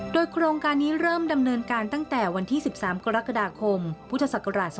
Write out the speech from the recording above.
โดยโครงการนี้เริ่มดำเนินการตั้งแต่วันที่๑๓กรกฎาคมพุทธศักราช๒๕๖